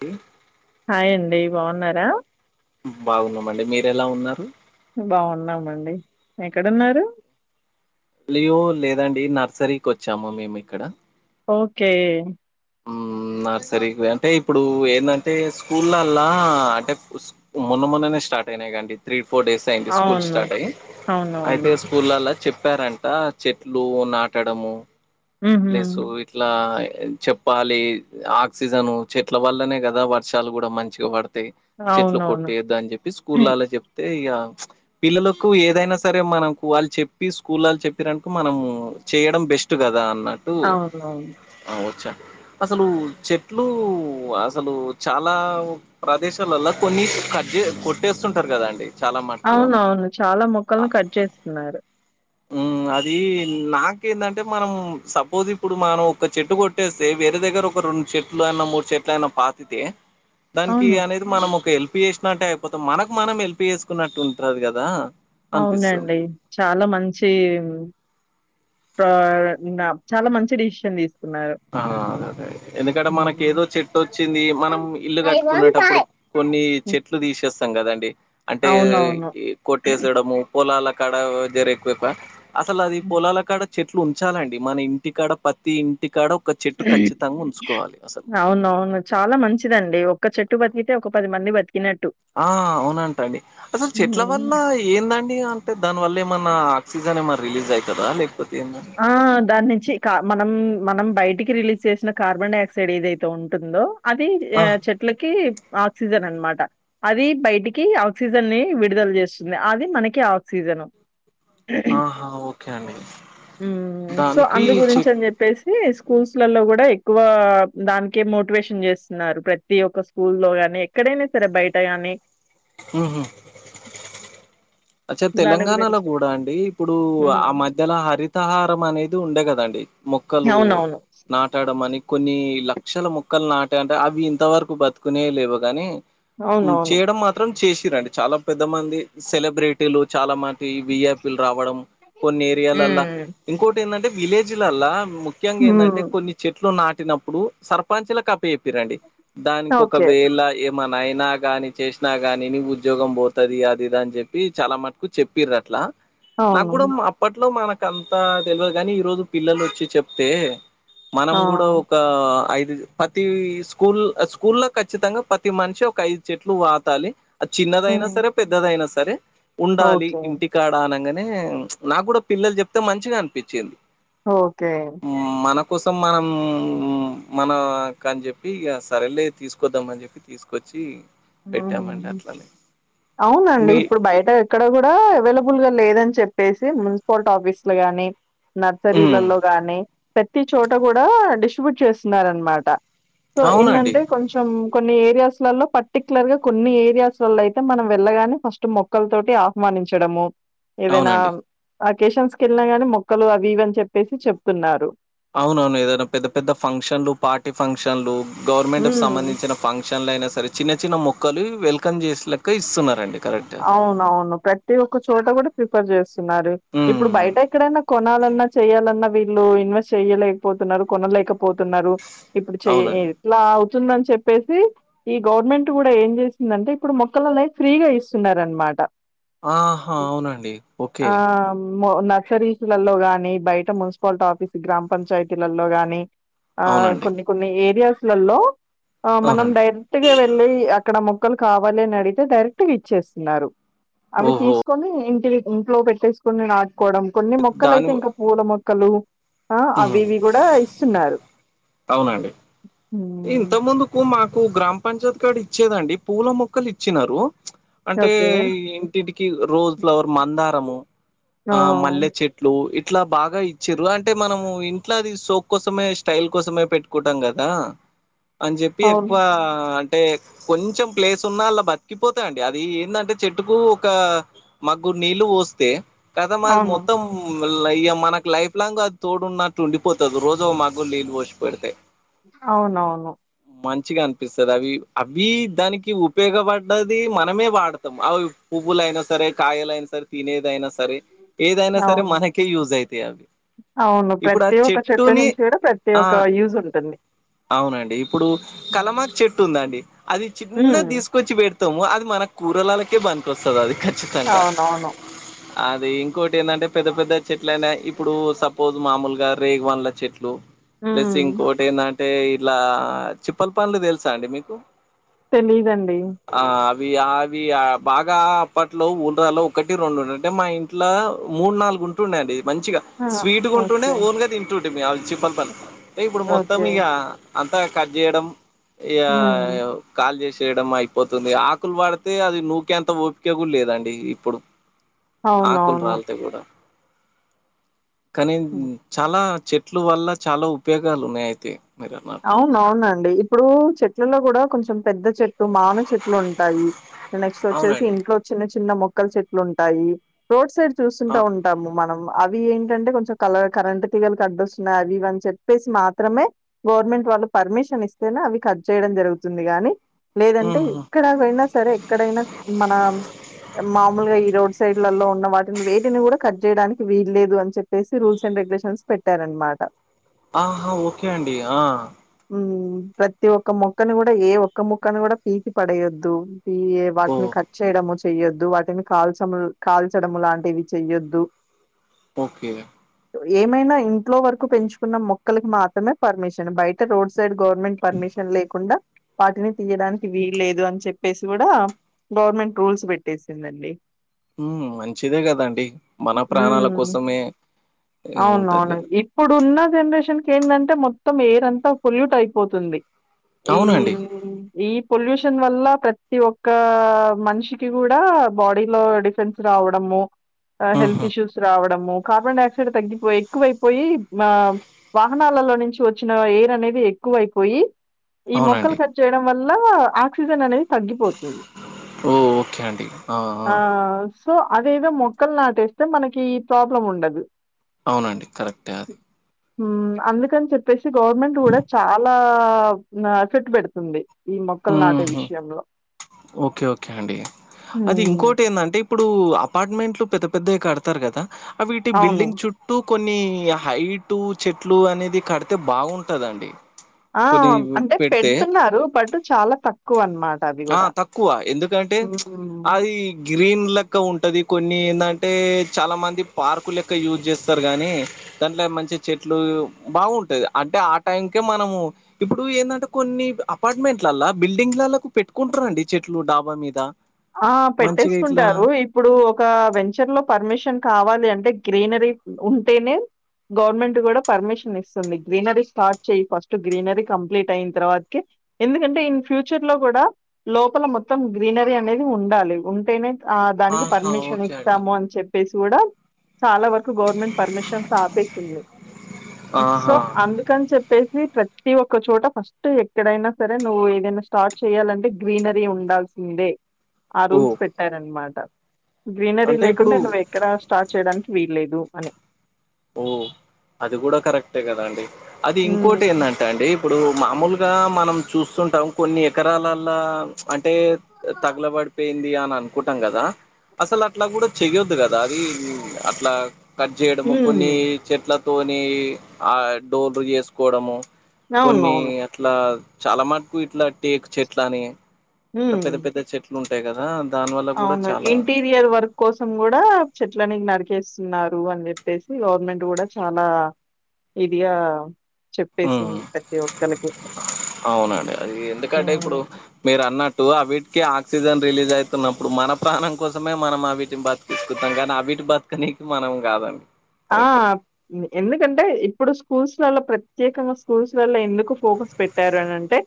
మ్ హాయ్ండి బాగున్నారా బాగున్నామండి మీరు ఎలా ఉన్నారు బాగున్నామండి ఎక్కడున్నారు లియో లేదండి నర్సరీకి వచ్చాము మేము ఇక్కడ ఓకే ఉమ్మ్ నర్సరీ అంటే ఇప్పుడు ఏంటంటే స్కూల్ల్లా అంటే మొన్న మొన్ననే స్టార్ స్టార్టినా కాదండి త్ర ఫోర్ డేస్ అయింది స్కూల్స్ అవును. స్టార్ట్ అయి అయితే అవునవును. స్కూల్ చె చెప్పారంట చెట్లు నాటడము హుహు. ప్లస్ ఇట్లా చెప్పాలి ఆక్సిజను చెట్ల వల్లనే కదా వర్షాలు కూడా మంచిగా పడుతాయి చెట్లు అవునవును. కొట్టయద్దు అని చెప్పి స్కూల్ అలా చెప్తే పిల్లలకు ఏదైనా సరే మనకు వాళ్ళు చెప్పి స్కూల్ళ్ళ చెప్పిన మనము చేయడం బెస్ట్ కదా అన్న అవునవును అసలు చెట్లు అసలు చాలా ప్రదేశాలల్ల కొన్ని కజ కొట్టేస్తుంటారు కదా అండి అవునవును చాలా మొక్కలను కట్ చేస్తున్నారు అది నాకేందంటే మనం సబ్ జ ఇప్పుడు మనం ఒక చెట్టు కొట్టేస్తే వేరే దగ్గర ఒక రెండు చెట్లు అయినా మూడు చెట్లు అయినా పాతితే దానికి అవును. అనేది మనం ఒక ఎల్పి చేసినట్టే అయిపోతాం మనకు మనం ఎల్పి చేసుకున్నట్టు ఉంటది కదా అవునండి చాలా మంచి చాలా మంచి డిసిషన్ తీసుకు ఆ అదే అదే ఎందుకంటే మనకి హ్మ్. ఏదో చెట్టు వచ్చింది మనం ఇల్లు కట్టుకునేటప్పుడు కొ కొన్ని చెట్లు తీసేస్త ఇం కదండి అంటే అవునవును. కొట్టేసడము పొలాల కాడ జరే ఎక్కువ ఎక్కువ అసలు అది పొలాల కాడ చెట్లు ఉంచాలండి మన ఇంటికాడ పత్తి ఇంటికాడ ఒక చెట్టు ఖచ్చితంగా ఉంచుకోవాలి అసలు. అవున అవును చాలా మంచిదండి ఒక్క చెట్టు బతిక ఒక పదిమంది ఆ అవునంటా అండి అసలు చెట్ల హ్మ్. వల్ల ఏందండి అంటే దానివల్ల ఏమన్నా సీజన్ ఏమరి రిలీజ్ అవుతుదా లేకపోతే ఏందండి? ఆ దాని నుంచికా మనం మనం బయటికి రిలీజ్ చేసిన కార్బన్ డైఆక్సైడ్ ఏదైతే ఉంటుందో అది ఆ! చెట్లకి ఆక్సిజన్ అనమాట అది బయటికి ఆక్సిజన్ ని విడుదల చేస్తుంది అది మనకి ఆక్సిజన్ చను ఆహా ఓకే అండి మ్మ్ సో దానికి అందు చెట్ గురించని జెప్పేసి స్కూల్స్లలో గూడా ఎక్కువ దానికే మోటివేషన్ చేస్తున్నారు ప్రతి ఒక్క స్కూల్ లో ఎక్కడైనా సరే బయట గానీ ఆహా అచ్చే దాని తెలంగాణలో గురించి. గూడా అండి ఇప్పుడు హ్మ్. ఆ మధ్యల హరిత హారం అనేది ఉండే గదండి మొక్కలు అవునవును. నాటడమని కొన్ని లక్షల ముక్కలు నాటాన్ర అవి ఇంతవరకు బతుకునే లేవు గాని అవునవును. చేయడం మాత్రం చేసిరండి చాలా పెద్ద మంది సెలబ్రిటీలు చాలా వి ఐ పిలు రావడం కొన్ని ఏరియాలల్ల హ్మ్. ఇంకోటి ఏందంటే విలేజ్లల్లా ముఖ్యంగా ఏందంటే హ్మ్. కొన్ని చెట్లు నాటినప్పుడు సర్పంచలక పి పిరండి దానికి ఓకే. ఒకవేళ మన అయినా గానీ చేష్నా గాని నీ ఉద్యోగం బోతది అదిదని జెప్పి చాలా మటుకు చెప్పిరట్లా అవును. నాగ్గుడా అప్పట్లో మన అంత తెలవదు గాని ఈ రోజు పిల్లలొచ్చి చెప్తే మనం ఆ! గూడా ఒక ఐ పతి స్కూల్ స్కూల్లో ఖచ్చితంగా పతి మనిషి ఒక ఐదు చెట్లు వాతాలి అద్ చిన్నదైనా హ్మ్. సరే పెద్దదైనా సరే ఉండాలి ఓకే. ఇంటికాడ అనంగానే నాగ్గుడా పిల్లలు జెప్తే మంచిగా అనిపిచింది ఓకే కోసం మనం మనకని జెప్పి ఇగ సరేలే తీసుకొద్దామని జెప్పి తీసుకొచ్చి పెట్టామండి అట్లనే అవునండి మీ ఇప్పుడు బయట ఇక్కడ గూడా అవైలబుల్ గా లేదని చెప్పేసి మున్సిపాలిటీ ఆఫీసులు గాని ఉమ్, నర్సరీలల్లో గానీ ప్రత్తి చోట గూడా డిస్ట్రిబ్యూట్ చేస్తున్నారన్మాట సో అవునండి ఏంటంటే కొంచెం కొన్ని ఏరియాస్ లలో ప పర్టిక్యులర్ గా కొన్ని ఏరియాస్ వల్ల అయితే మనం వెళ్ళగానే ఫస్ట్ మొక్కల తోటి ఆహ్వానించడము ఏదనా అవునండి అకేషన్స్ గెళ్ళినా గానీ మొక్కలు అవి ఇవని చెప్పేసి చెప్తున్నారు అవునవును ఏదైనా పెద్ద పెద్ద ఫంక్షన్లు పార్టీ ఫంక్షన్లు గవర్నమెంట్ కు హ్మ్. సంబంధించిన ఫంక్షన్ లైనా సరే చిన్న చిన్న మొక్కలు వెల్కమ్ చేస్ లెక్క ఇస్తున్నారు. అవునవును ప్రతి ఒక్క చోట గుడ ప్రిఫర్ జేస్తున్నారు ఇప్పుడు హ్మ్. బయట ఎక్కడైనా కొనాలన్నా చేయాలన్నా వీళ్ళు ఇన్వెస్ట్ చేయలేకపోతున్నారు కొనలేకపోతున్నారు ఇప్పుడు చెయే అవునండి. ఎట్లావు తుందన్ చెప్పేసి ఈ గవర్నమెంట్ గూడ ఏం జేసిందంటే ఇప్పుడు మొక్కలనేయ్ ఫ్రీగా ఇ స్తున్నరన్మాట ఆహా అవునండి ఓకే ఆ నర్సరీస్లలో గానీ బయట మున్సిపాల్టు ఆఫీస్ గ్రామ పంచాయతీలల్లో గాని ఆ అవునండి. కొన్ని కొన్ని ఏరియాస్లలో ఆ మనం అవునండి. డైరెక్ట్గా వెళ్ళి అక్కడ మొక్కలు కావాలి అనడిగితే డైరెక్ట్గా ఇచ్చేస్తున్నారు అవి ఓహో! తీస్కొని ఇంటి ఇంట్లో పెట్టేసుకొని నా కోడం కొన్ని దాని మొక్కలైతే వ ఇంకా పూల మొక్కలు ఆ హ్మ్. అవివి గూడా ఇస్తున్నారు హ్మ్ ఇంత ముందుకు మాకు గ్రామ పంచాయత్కాడ ఇచ్చేదండి పూల మొక్కలు ఇచ్చినరు అంటే ఓకే ఇంటింటికి రోజ్ ఫ్లవర్ మందారము ఆ మల్లె చెట్లు ఇట్లా బాగా ఇచ్చిరు అంటే మనము ఇంట్లది సోక్ కోసమే స్టైల్ కోసమే పెట్టుకుటాం గదా అన్ జెప్పి అవును ఎక్కువ అంటే కొంచెం ప్లేస్ ఉన్నా అలా బతికిపోతాయిండి అది ఎందంటే చెట్టుకు ఒక మగ్గు నీళ్ళు పోస్తే కదా మాది అవును మొత్తం ఇ మనకు లైఫ్ లాంగ్ అది తోడున్నట్టు ఉండిపోతుంది రోజు ఓ మాగ్ గ్గుల నీళ్ళు పోసి పెడితే అవునవును మంచిగా అనిపిస్తుంది అవి అవి దానికి ఉపయోగపడ్డది మనమే వాడతాం అవి పువ్వులయినా సరే కాయలయినా సరే తినేదైనా సరే ఏదైనా సరే అవును మనకే యూజ్ అవుతాయి అవి అవును ఇప్పుడు ఆ ప్రతి ఒక్క చెట్టు చెట్టుని నుంచి కూడా ప్రతి ఆ ఒక్క యూజ్ ఉంటుంది అవునండి ఇప్పుడు హ్మ్ కలమకు చెట్టు ఉందండి అది హ్మ్. చిన్నది తీసుకొచ్చి పెడత మొత్తము అది మన కూరలళ్కే బనికి వస్తుంది అది ఖచ్చితంగా అవునవును అది ఇంకోటి ఏంటంటే పెద్ద పెద్ద చెట్లు అనా ఇప్పుడు సపోజ్ మామూలుగా రేగు వన్ల చెట్లు ప్లస్ హ్మ్ ఇంకోటి ఎందంటే ఇలా చిప్పల పన్లు తెలుసా అండి మీకు తెలిదండి ఆ అవి అవి బాగా అప్పట్లో ఊర్రాలో ఒకటి రెండు అంటే మా ఇంట్లో మూడు నాలుగు గుంటుండండి మంచిగా ఆ! స్వీట్గా ఉంటూనే ఓకే ఓన్గా తింటుంటే మీ ఆ చిప్పలపన్లు అంటే ఇప్పుడు మొత్తం ఓకే ఇక అంతా కట్ చేయడం ఇగా హ్మ్ కల్జేసి చేయడం అయిపోతుంది ఆకులు వడితే అది నూకేంత ఓపికగూడ లేదండి ఇప్పుడు ఆకులు అవునవును రాలితే కూడా కానీ చాలా చెట్లు వల్ల చాలా ఉపయోగాలు ఉన్నాయి అయితే మీరు అన్నట్ అవున అవునండి ఇప్పుడు చెట్లలో కూడా కొంచెం పెద్ద చెట్లు మాన చెట్లు ఉంటాయి నెక్స్ట్ వచ్చేసి అవునండి ఇంట్లో చిన్న చిన్న మొ మక్కల చెట్లు ఉంటాయి రోడ్ సైడ్ ఆ, చూస్తుంటా ఉంటాము మనం అవి ఏంటంటే కొంచెం కల కరెంట్ తీిగలి కడ్డొస్తున్నాయి అవి ఇవని చెప్పేసి మాత్రమే గవర్నమెంట్ వాళ్ళు పర్మిషన్ ఇస్తేనే అవి కట్ చేయడం జరుగుతుంది గానీ లేదంటే మ్మ్. ఎక్కడయినా సరే ఎక్కడైనా మన మామూలుగా ఈ రోడ్ సైడ్లలో ఉన్న వాటిని వేటిని కూడా కట్ చేయడానికి వీల్లేదు అని చెప్పేసి రూల్స్ అండ్ రెగ్యులేషన్స్ పెట్టార అనమాట ఆహా ఓకే అండి ఆ ప్రతి ఒక్క మొక్కను కూడా ఏ ఒక్క మొక్కను కూడా పీకి పడేయొద్దు ఓ వాటిని కట్ చేయడం వచ్చ చెయ్యొద్దు వాటిని కాల్చము కాల్చడంము లాంటివి చెయొద్దు ఓకే ఏమైనా ఇంట్లో వరకు పెంచుకున్న మొక్కలకి మాత్రమే పర్మిషన్ బయట రోడ్ సైడ్ గవర్నమెంట్ పర్మిషన్ లేకుండా వాటిని తీయడానికి వీల్ లేదు అని చెప్పి చెప్పేసి కూడా గవర్నమెంట్ రూల్స్ పెట్టేసిందండి హ్మ్మ్ మంచిదే కదండి మన ప్రాణాల హ్మ్. కోసమే ఉంటది అవునవును గదా! ఇప్పుడు జనరేషన్కి ఏందంటే మొత్తం ఎయిర్ంత పొల్యూట్ అయిపోతుంది ఈ అవునండి. ఈ పొల్యూష వల్ల ప్రతి ఒక్క మనిషికి కూడా బాడీ లో డిఫెన్స్ రావడము హుహు. హెల్త్ ఇష్యూస్ రావ కార్బన్ డై ఆక్సైడ్ తగ్గిపో ఎక్కువైపోయి ఆ వాహనాలలో నుంచి వచ్చ వచ్చిన ఎయిర్ అనేది ఎక్కువ అయిపోయి ఈ మొక్కలు అవునండి. కట్ చేయడం వల్ల ఆక్సిజన్ అనేది తగ్గిపోతుంది ఓహ్! ఓకే అండి. ఆ సో అదేదో మొక్కలు నాటేస్తే మనకి ప్రాబ్లం ఉండదు అవునండి కరెక్టే అది అందుకని చెప్పేసి గవర్నమెంట్ కూడా చాలా ఇంగా చెట్టు పెడుతుంది ఈ మొక్కలు నాటే హుహు. విషయంలో ఓకే ఓకే అండి అది హ్మ్. ఇంకోటి ఏందిఅంటే ఇప్పుడు అపార్ట్మెంట్ లో పతి పెద్దవి కడతారు కదా అ వీటి అవును. బిల్డింగ్ చుట్టూ కొన్ని హైట్ చెట్లు అనేది కడితే బాగుంటదండి ఆ కొన్ని అంటే పెడితే పెడుతున్నారు బట్ చాలా తక్కువ ఆ తక్కువ ఎందుకంటే హ్మ్. అది గ్రీన్ లెక్క ఉంటాది కొన్ని ఏందంటే చాలా మంది పార్కు లెక్క యూజ్ చేస్తారు గానీ దాంట్లో మంచిగా చెట్లు బాగుంటది అంటే ఆ టైం కే మనము ఇప్పుడు ఏందంటే కొన్ని అప అపార్ట్మెంట్లల్లొ బిల్డింగ్ లకు పెట్టుకుంటారండి చెట్లు డాబా మీద ఆ మంచిగా ఇట్లా పెట్టేసుకుంటారు ఇప్పుడు ఒక వెంచర్ లో పర్మిషన్ కావాలి అంటే గ్రీనరి ఉంటేనే గవర్నమెంట్ కూడా పర్మిషన్ ఇస్తుంది గ్రీనరీ స్టార్ట్ చెయ్యి ఫస్ట్ గ్రీనరీ కంప్లీట్ అయిన తర్వాతికే ఎందుకంటే ఇన్ ఫ్యూచర్ లో కూడా లోపల మొత్తం గ్రీనరీ అనేది ఉండాలి ఉంటేనే ఆ దానికి ఆహా పర్మిషన్ ఓకే అండి ఇస్తాము అని చెప్పేసి కూడా చాలా వరకు గవర్నమెంట్ పర్మిషన్స్ ఆపేసింది సో ఆహా అందుకని చెప్పేసి ప్రతి ఒక్క చోట ఫస్ట్ ఎక్కడైనా సరే నువ్వు ఏదన్న స్టార్ట్ చెయాలంటే గ్రీనరీ ఉండాల్సిందే ఆ ఓ రూల్స్ పెట్టారనమాట గ్రీనరీ అంటే ఇప్పుడు లేకుండా నువ్వు ఎక్కడ స్టార్ట్ చేయడానికి వీల్లేదు అని ఓ అది కూడా కరెక్టే కదా అండి అది ఇంకోటి ఏంది హ్మ్. అంటే అండి ఇప్పుడు మామూలుగా మనం చూస్తుంటాం కొన్ని ఎకరాలలో అంటే తగలబడిపోయింది అ అనుకుంటాం కదా అసలు అట్లా కూడా చెయ్యొద్దు కదా అది అట్లా కట్ చేయడం కొన్ని హ్మ్. చెట్లతోని ఆ డోర్ లు చేసుకోవడము కొన్ని అవునవును. అట్లా చాలా మాటుకు ఇట్లా టేక్ చెట్లని అట్ల హ్మ్. పెద్ద పెద్ద చెట్లు ఉంటాయి కదా దానివల్ల కూడా అవును మరి చాలా ఇంటీరియర్ వర్క్ కోసం కూడా చెట్లని నరికేసు న్నారు అని చెప్పేసి గవర్నమెంట్ కూడా చాలా ఇదిగా చెప్పేసింది ఉమ్. ప్రతి ఒక్కలకి అవునండి అది ఎందుకంటే ఇప్పుడు మీరు అన్నట్టు అవి ఆక్సిజన్ రిలీజ్ అయితున్నప్పుడు మన ప్రాణం కోసమే మనం వీటిని బతికించుకుంటాం కానీ అ వీటి బతుకని మనం కాదన్ ఆ ఎందుకంటే ఇప్పుడు స్కూల్స్ లలో ప్రతి ప్రత్యేకంగా స్కూల్స్ లల్లో ఎందుకు ఫోకస్ పెట్టారు అని అంటే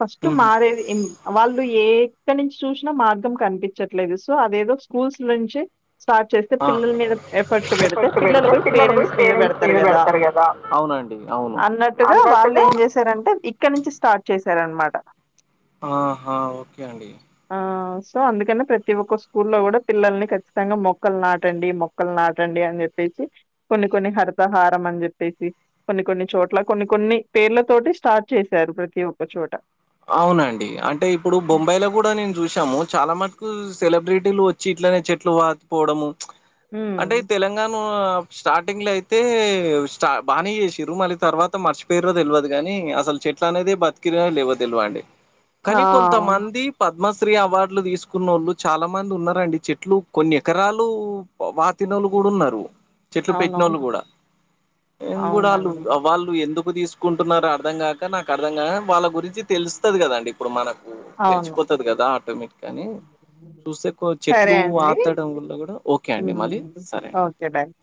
ఫస్ట్ మరేదీ ఎమ్ వాళ్ళ్ ఎక్కడ నుంచి చూసినా మార్గం కనిపించట్లేదు సో అదేదో స్కూల్స్ నుంచే స్టార్ట్ చేస్తే ఆ పిల్లల మీద ఎఫర్ట్ పెడితే పిల్లలు పోయి పేరెంట్స్ మీద పెడతారు కదా అన్నట్టుగా వాళ్ళు ఏం చేశారంటే ఇప్ ఇక్కడ నుంచి స్టార్ట్ చేశారు అనమాట ఆహా ఓకే అండి ఆ సో అందుకనే ప్రతి ఒక్క స్కూల్లో కూడా పిల్లల్ని ఖచ్చితంగా మొక్కలు నాటండి మొక్కలు నాటండి అని చెప్ చేప్పెసి కొన్ని కొన్ని హరితహారం అని చెప్పేసి కొన్ని కొన్ని చోట్ల కొన్ని కొన్ని పేర్లతోటి స్టార్ట్ చేశారు ప్రతి ఒక్క చోట అవునండి అంటే ఇప్పుడు బొంబాయిలో కూడా నేను చూసాము చాలా మంది సెలబ్రిటీలు వచ్చి ఇట్లనే చెట్లు పాతిపోవడము అంటే హ్మ్. తెలంగాణ స్టార్టింగ్ లో అయితే బానే చేసిళ్ళు మళ్ళీ తర్వాత మర్చిపోర్రో తెలువదు కాని అసలు చెట్ల [unintelligible] తెలువదండి ఆ! కానీ కొంతమంది పద్మ స్త్రీ అవార్డులు తీసుకున్నోళ్ళు చాలా మంది ఉన్నారండి చెట్లు కొన్ని ఎకరాలు పాతినోలు కుడున్నారు చెట్లు పెట్టిన వాళ్ళు అవునవును. కూడా కూడా వాళ్ళు అవునండి. వాళ్ళు ఎందు తీసుకుంటున్నారో అర్థం కాక నాకు అర్థం కా వాళ్ళ గురించి తెలుస్తది కదండి ఇప్పుడు మన అవును. తెలిసిపోతది కదా ఆటోమేటిక్గా అని చూస్తేక్ సరే చెట్లు అండి. పాతడం వల్ల కూడా ఓకే అండి మరి సరే అండి స